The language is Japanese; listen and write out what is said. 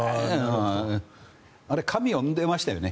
あれ、紙を読んでましたよね